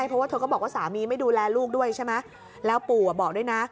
เพราะว่าเธอก็บอกว่าสามีไม่ดูแลลูกด้วยใช่ไหมแล้วปู่อ่ะบอกด้วยนะ